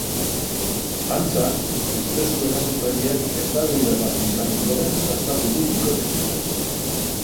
Antza, usteko erasotzaileak eztabaida bat izan ondoren sastatu du bikotekidea.